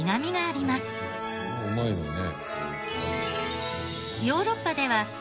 うまいもんね。